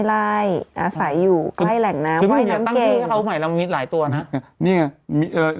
ถ้าตั้งชื่อมีตัวหน้าหรือ